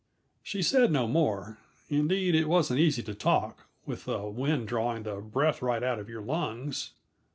She said no more; indeed, it wasn't easy to talk, with the wind drawing the breath right out of your lungs.